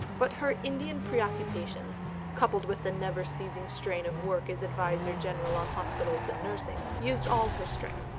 But her Indian preoccupations, coupled with the never ceasing strain of work as Adviser in General on Hospitals and Nursing, used all her strength.